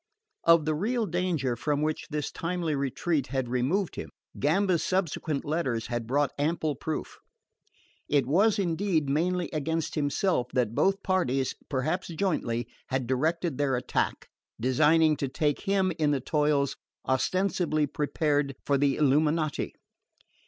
Of the real danger from which this timely retreat had removed him, Gamba's subsequent letters had brought ample proof. It was indeed mainly against himself that both parties, perhaps jointly, had directed their attack; designing to take him in the toils ostensibly prepared for the Illuminati.